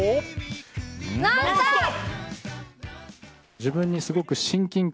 「ノンストップ！」。